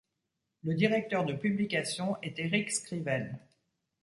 Le directeur de publication est Eric Scriven.